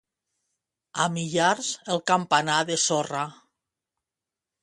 A Millars, el campanar de sorra.